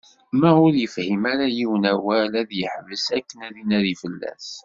Ma ur yefhim ara yiwen awal ad yeḥbes akken ad inadi fell-as.